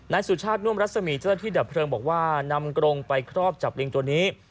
สุชาติน่วมรัศมีเจ้าหน้าที่ดับเพลิงบอกว่านำกรงไปครอบจับลิงตัวนี้